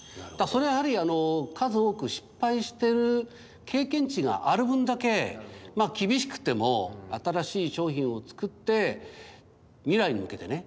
それはやはり数多く失敗してる経験値がある分だけ厳しくても新しい商品を作って未来に向けてね